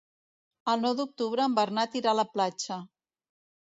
El nou d'octubre en Bernat irà a la platja.